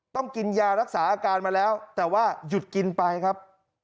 ต้องกินยารักษาอาการมาแล้วแต่ว่าหยุดกินไปครับ